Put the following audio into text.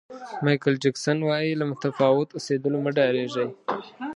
مایکل جکسن وایي له متفاوت اوسېدلو مه ډارېږئ.